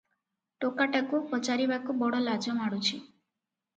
ଟୋକାଟାକୁ ପଚାରିବାକୁ ବଡ଼ ଲାଜ ମାଡ଼ୁଛି ।